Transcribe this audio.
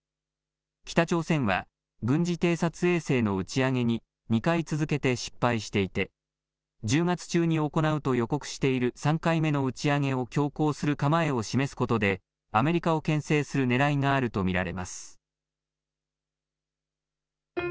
北朝鮮は、軍事偵察衛星の打ち上げに２回続けて失敗していて、１０月中に行うと予告している３回目の打ち上げを強行する構えを示すことで、アメリカをけん制するねらいがあると見られます。